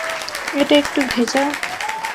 এটা একটু ভেজা?